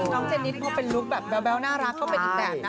เจนิสพอเป็นลุคแบบแบ๊วน่ารักก็เป็นอีกแบบนะ